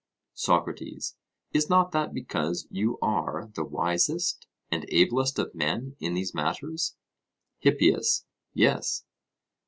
SOCRATES: Is not that because you are the wisest and ablest of men in these matters? HIPPIAS: Yes.